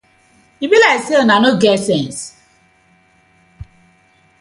E bi layk say uno no get sence.